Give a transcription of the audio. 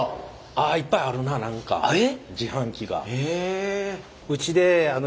あっいっぱいあるな何か自販機が。